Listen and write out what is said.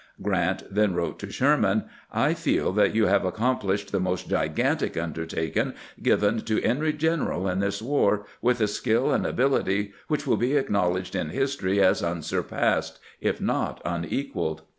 Grant then wrote to Sherman :" I feel that you have accomplished the most gigantic undertaking given to any general in this war with a skill and ability which wiU be acknowledged in history as unsurpassed, if not unequaled.